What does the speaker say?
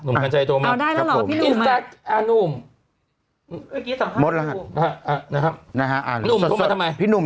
เอาได้หรอพี่หนุ่ม